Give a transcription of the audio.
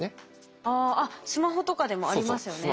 ああっスマホとかでもありますよね。